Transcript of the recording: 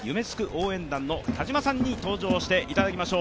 応援団の田島さんに登場していただきます。